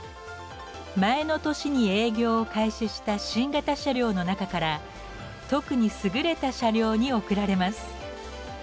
前の年に営業を開始した新型車両の中から特に優れた車両に贈られます。